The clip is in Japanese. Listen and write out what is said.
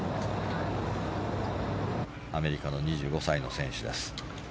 アメリカの２５歳の選手です。